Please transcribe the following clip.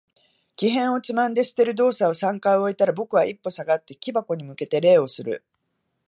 木片をつまんで捨てる動作を三回終えたら、僕は一歩下がって、木箱に向けて礼をする。